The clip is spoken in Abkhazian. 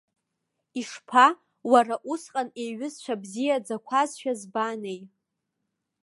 Ишԥа, уара, усҟан еиҩызцәа бзиаӡақәазшәа збанеи.